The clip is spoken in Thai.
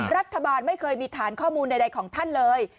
รัฐบาลไม่เคยมีฐานข้อมูลใดของท่านเลย